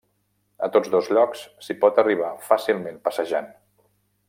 A tots dos llocs s'hi pot arribar fàcilment passejant.